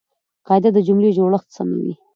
قاعده د جملې جوړښت سموي.